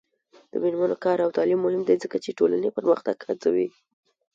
د میرمنو کار او تعلیم مهم دی ځکه چې ټولنې پرمختګ هڅوي.